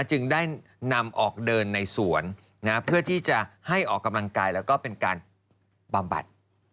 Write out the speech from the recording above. จึงได้นำออกเดินในสวนเพื่อที่จะให้ออกกำลังกายแล้วก็เป็นการบำบัด